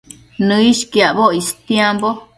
Nëishquiacboc istiambo